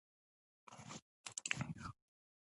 هر پښتون چې په پښتو کې پوهه لري.